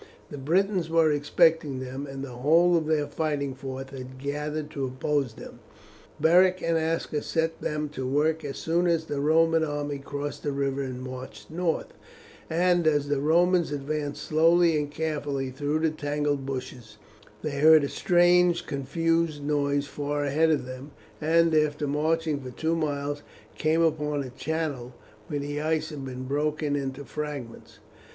The Britons were expecting them, and the whole of their fighting force had gathered to oppose them. Beric and Aska set them to work as soon as the Roman army crossed the river and marched north, and as the Romans advanced slowly and carefully through the tangled bushes, they heard a strange confused noise far ahead of them, and after marching for two miles came upon a channel, where the ice had been broken into fragments.